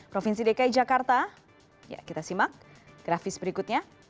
provinsi dki jakarta ya kita simak grafis berikutnya